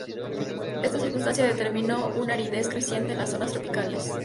Esta circunstancia determinó una aridez creciente en las zonas tropicales.